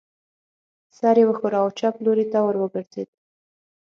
سر یې و ښوراوه او چپ لوري ته ور وګرځېد.